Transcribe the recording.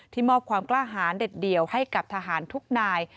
มอบความกล้าหารเด็ดเดี่ยวให้กับทหารทุกนาย